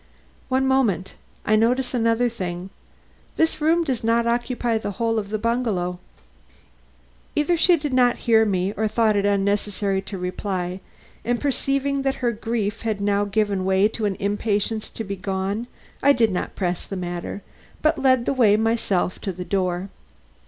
"One moment. I notice another thing. This room does not occupy the whole of the bungalow." Either she did not hear me or thought it unnecessary to reply; and perceiving that her grief had now given way to an impatience to be gone, I did not press the matter, but led the way myself to the door.